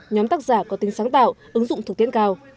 nhóm tác giả có tính sáng tạo ứng dụng thực tiễn cao